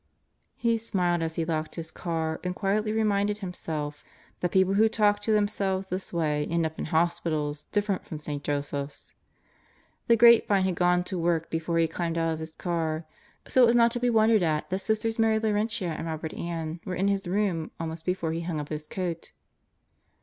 He smiled as he locked his car and quietly reminded himself that people who talk to themselves this way end up in hospitals "Most Likely Til Burn" 31 different from St. Joseph's. The grapevine had gone to work before he had climbed out of his car, so it was not to be wondered at that Sisters Mary Laurentia and Robert Ann were in his room almost before he hung up his coat.